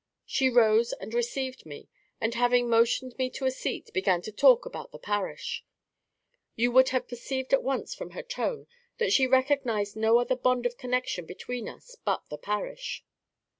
She rose and RECEIVED me, and having motioned me to a seat, began to talk about the parish. You would have perceived at once from her tone that she recognised no other bond of connexion between us but the parish.